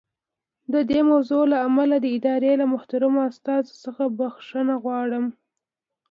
د دې موضوع له امله د ادارې له محترمو استازو څخه بښنه غواړم.